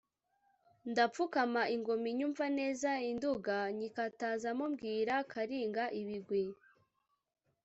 ndapfukama ingoma inyumva neza i Nduga, nyikatazamo mbwira Karinga ibigwi.